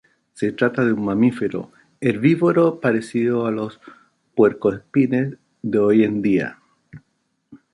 Se trataba de un mamífero herbívoro parecido a los puercoespines de hoy en día.